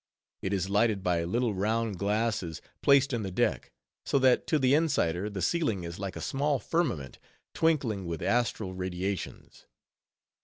It is lighted by little round glasses placed in the deck; so that to the insider, the ceiling is like a small firmament twinkling with astral radiations.